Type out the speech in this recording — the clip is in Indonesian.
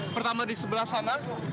pertama di sebelah sana